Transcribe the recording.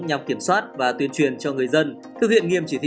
nhằm kiểm soát và tuyên truyền cho người dân thực hiện nghiêm chỉ thị một mươi sáu